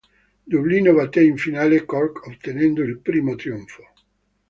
Dublino batté in finale Cork ottenendo il primo trionfo.